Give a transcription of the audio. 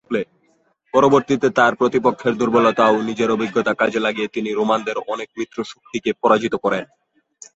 পরবর্তীতে তার প্রতিপক্ষের দূর্বলতা ও নিজের অভিজ্ঞতা কাজে লাগিয়ে তিনি রোমানদের অনেক মিত্র শক্তিকে পরাজিত করেন।